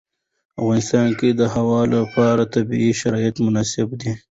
په افغانستان کې د هوا لپاره طبیعي شرایط مناسب دي.